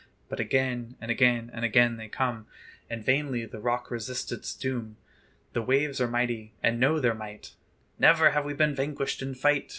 But again, and again, and again they come; And vainly the rock resists its doom: The waves are mighty, and know their might: "Never have we been vanquished in fight!